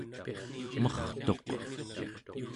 mertuq